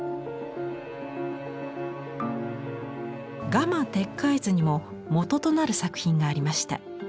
「蝦蟇鉄拐図」にも元となる作品がありました。